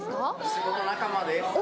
仕事仲間です。